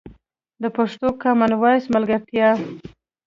د پښتو کامن وایس ملګرتیا